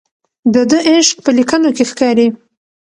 د ده عشق په لیکنو کې ښکاري.